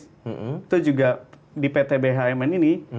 itu juga di pt bhmn ini